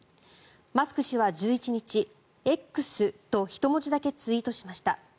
マスク氏は１１日「Ｘ」と１文字だけツイートしました。